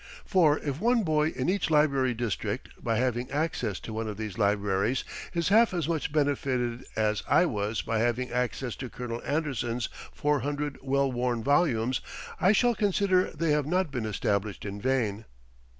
For if one boy in each library district, by having access to one of these libraries, is half as much benefited as I was by having access to Colonel Anderson's four hundred well worn volumes, I shall consider they have not been established in vain.